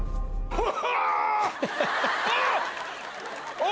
・うわ！